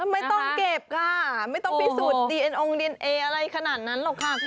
ไม่ต้องเก็บค่ะไม่ต้องพิสูจน์ดีเอ็นองค์ดีเอนเออะไรขนาดนั้นหรอกค่ะคุณ